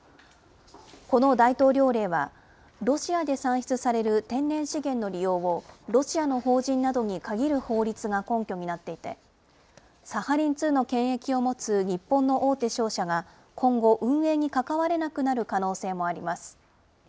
この大統領令は、ロシアで産出される天然資源の利用を、ロシアの法人などに限る法律が根拠になっていて、サハリン２の権益を持つ日本の大手商社が今後、運営に関われなくなる可能性もあります。